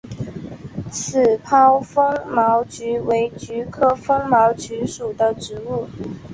齿苞风毛菊为菊科风毛菊属的植物。